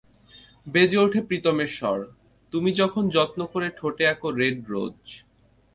বেজে ওঠে প্রিতমের স্বর, তুমি যখন যত্ন করে ঠোঁটে আঁকো রেড রোজ।